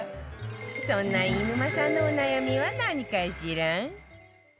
そんな飯沼さんのお悩みは何かしら？